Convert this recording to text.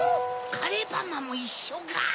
カレーパンマンもいっしょか。